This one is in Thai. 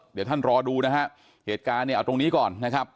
เดี๋ยวท่านรอดูนะฮะเหตุการณ์เนี่ยเอาตรงนี้ก่อนนะครับ